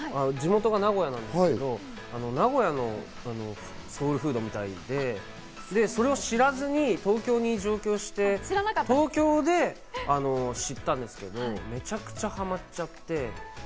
地元が名古屋なんですけど、名古屋のソウルフードみたいで、それを知らずに、東京に上京して東京で知ったんですけど、めちゃくちゃハマっちゃって。